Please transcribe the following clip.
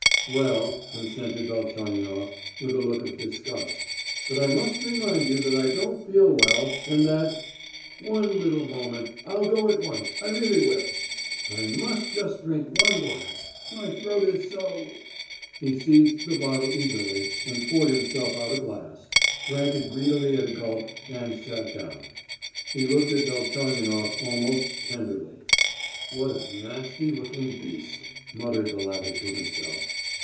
"Well," consented Velchaninoff, with a look of disgust, "but I must remind you that I don't feel well, and that—" "One little moment—I'll go at once, I really will—I must just drink one glass, my throat is so——" He seized the bottle eagerly, and poured himself out a glass, drank it greedily at a gulp, and sat down. He looked at Velchaninoff almost tenderly. "What a nasty looking beast!" muttered the latter to himself.